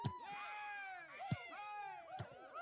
ځمکنی شکل د افغانستان د طبیعت یوه ډېره مهمه برخه ده.